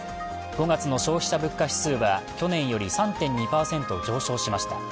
５月の消費者物価指数は去年より３．２％上昇しました。